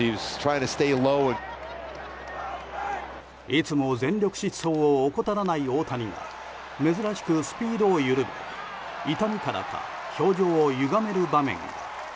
いつも全力疾走を怠らない大谷が珍しくスピードを緩め痛みからか表情をゆがめる場面が。